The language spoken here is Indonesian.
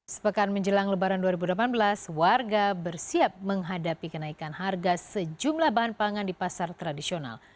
sepekan menjelang lebaran dua ribu delapan belas warga bersiap menghadapi kenaikan harga sejumlah bahan pangan di pasar tradisional